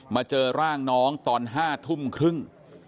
เจอร่างน้องตอน๕ทุ่มครึ่ง